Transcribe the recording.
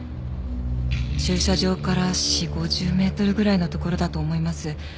駐車場から４０５０メートルぐらいの所だと思います。